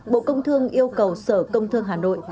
bộ công thương yêu cầu sở công thương hà nội